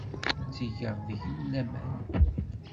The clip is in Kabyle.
Ttgeɣ deg-m laman.